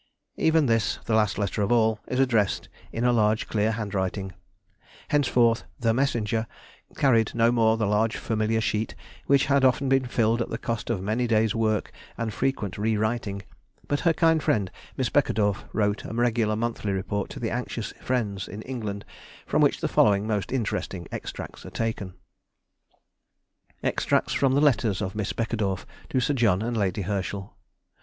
Even this, the last letter of all, is addressed in a large, clear handwriting. Henceforth "the messenger" carried no more the large familiar sheet which had often been filled at the cost of many days' work and frequent re writing; but her kind friend, Miss Beckedorff, wrote a regular monthly report to the anxious friends in England, from which the following most interesting extracts are taken:— EXTRACTS FROM THE LETTERS OF MISS BECKEDORFF TO SIR JOHN AND LADY HERSCHEL.